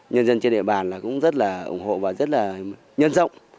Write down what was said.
nhân dân trên địa bàn cũng rất là ủng hộ và rất là nhân rộng